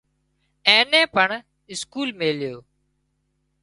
اين نين پڻ اسڪول ميليو